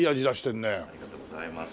ありがとうございます。